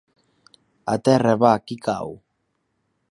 A terra va qui cau!